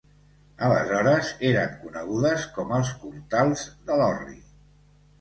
Aleshores eren conegudes com els cortals de l'Orri.